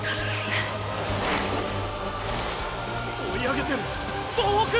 追い上げてる総北！